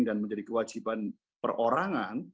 dan menjadi kewajiban perorangan